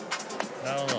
なるほど。